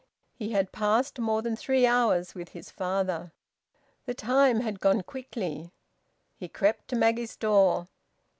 He had passed more than three hours with his father. The time had gone quickly. He crept to Maggie's door.